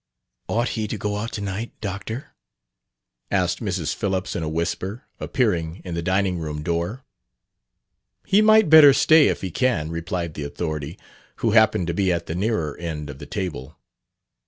"Ought he to go out to night, Doctor?" asked Mrs. Phillips in a whisper, appearing in the dining room door. "He might better stay if he can," replied the authority, who happened to be at the nearer end of the table.